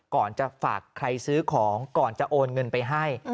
ก่อนจะฝากใครซื้อของก่อนจะโอนเงินไปให้